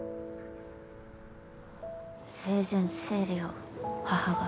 生前整理を母が？